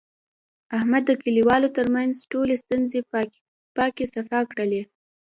احمد د کلیوالو ترمنځ ټولې ستونزې پاکې صفا کړلې.